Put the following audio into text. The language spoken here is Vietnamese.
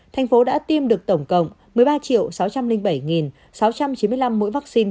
thành phố đã tiêm được tổng cộng một mươi ba sáu trăm linh bảy sáu trăm chín mươi năm mũi vaccine phòng bệnh covid một mươi chín